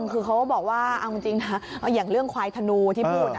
คือเขาก็บอกว่าเอาจริงนะอย่างเรื่องควายธนูที่พูด